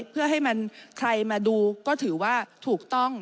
เพื่อให้ใครมาดูก็ถือว่าถูกต้อง